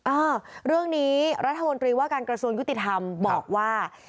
อ่าเรื่องนี้รัฐมนตรีว่าการกระทรวงยุติธรรมบอกว่า